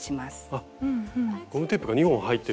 あっゴムテープが２本入ってるんですね